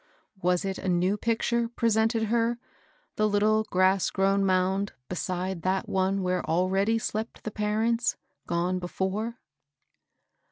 Was it a new picture presented her, the little grass grown mound beside that one where already slept the parents " gone before